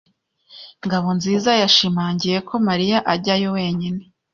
Ngabonziza yashimangiye ko Mariya ajyayo wenyine.